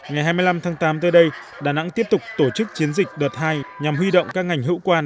ngày hai mươi năm tháng tám tới đây đà nẵng tiếp tục tổ chức chiến dịch đợt hai nhằm huy động các ngành hữu quan